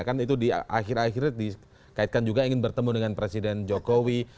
kan itu di akhir akhirnya dikaitkan juga ingin bertemu dengan presiden jokowi